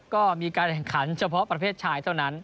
ก็มีการแข่งขันเฉพาะประเภทชายเท่านั้น